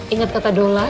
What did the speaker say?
inget kata dulu lah